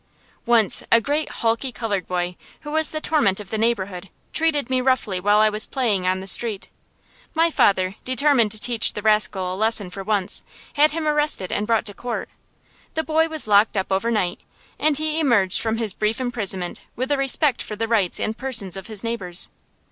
Once a great, hulky colored boy, who was the torment of the neighborhood, treated me roughly while I was playing on the street. My father, determined to teach the rascal a lesson for once, had him arrested and brought to court. The boy was locked up overnight, and he emerged from his brief imprisonment with a respect for the rights and persons of his neighbors.